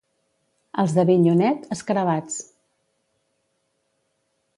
Els d'Avinyonet, escarabats.